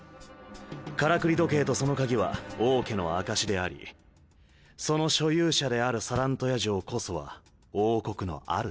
からくり時計とその鍵は王家の証しでありその所有者であるサラントヤ嬢こそは王国の主。